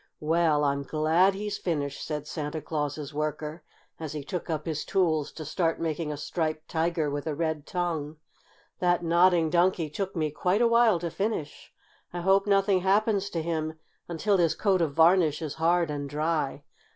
"Well, I'm glad he's finished," said Santa Claus' worker, as he took up his tools to start making a Striped Tiger, with a red tongue. "That Nodding Donkey took me quite a while to finish. I hope nothing happens to him until his coat of varnish is hard and dry.